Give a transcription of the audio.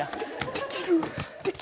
できるよ。